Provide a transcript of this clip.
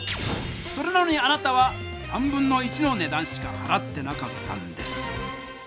それなのにあなたは1/3のねだんしかはらってなかったんです。